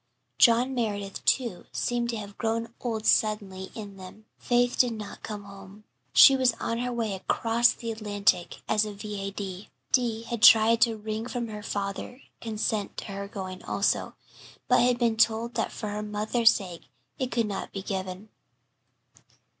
John Meredith, too, seemed to have grown old suddenly in them. Faith did not come home; she was on her way across the Atlantic as a V.A.D. Di had tried to wring from her father consent to her going also, but had been told that for her mother's sake it could not be given.